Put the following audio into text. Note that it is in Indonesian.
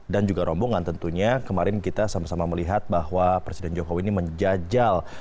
dan juga rombongan tentunya kemarin kita sama sama melihat bahwa presiden jokowi ini menjajal